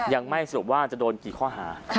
ยังไม่สรุปว่าจะโดนกี่ข้อหา